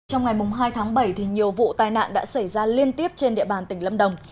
trong ngày hai tháng bảy nhiều vụ tai nạn đã xảy ra liên tiếp trên địa bàn tỉnh lâm đồng